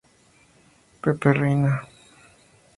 Pepe Reina.